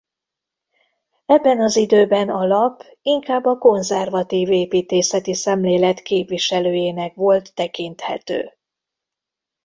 Ebben az időben a lap inkább a konzervatív építészeti szemlélet képviselőjének volt tekinthető.